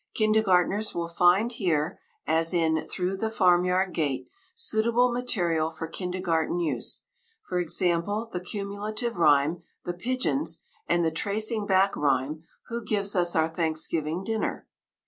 Kindergartners will find here, as in Through the Farmyard Gate, suitable material for kindergarten use; for example, the cumulative rhyme, The Pigeons, and the tracing back rhyme, _Who Gives us Our Thanksgiving Dinner?